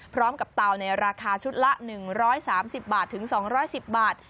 พร้อมกับเตาในราคาชุดละ๑๓๐๒๑๐บาท